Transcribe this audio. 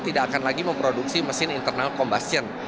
tidak akan lagi memproduksi mesin internal combustion